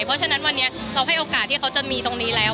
เพราะฉะนั้นวันนี้เราให้โอกาสที่เขาจะมีตรงนี้แล้ว